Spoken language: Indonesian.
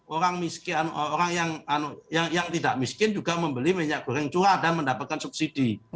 orang miskin orang yang tidak miskin juga membeli minyak goreng curah dan mendapatkan subsidi